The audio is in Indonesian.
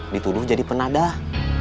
dituduh jadi penadah